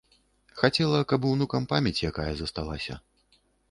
Хацела, каб унукам памяць якая засталася.